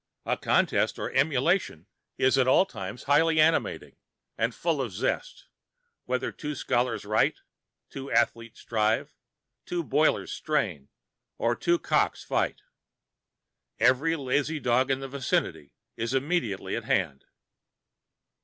A contest or emulation is at all times highly animating and full of zest, whether two scholars write, two athletes strive, two boilers strain, or two cocks fight. Every lazy dog in the vicinity is immediately at hand.